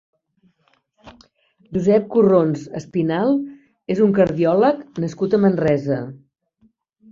Josep Corrons Espinal és un cardiòleg nascut a Manresa.